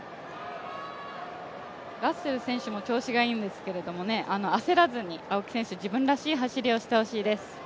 ラッセル選手も調子がいいんですけど、焦らずに青木選手、自分らしい走りをしてほしいです。